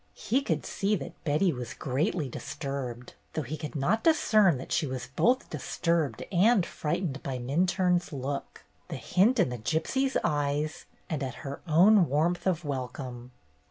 He could see that Betty was greatly disturbed, though he could not discern that she was both disturbed and frightened by Minturne's look, the hint in the gypsy's eyes, and at her own warmth of welcome.